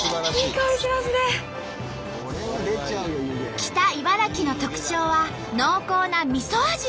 北茨城の特徴は濃厚なみそ味のスープ。